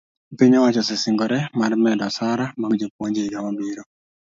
piny owacho osesingore mar medo osara mag jopuonj e higa mabiro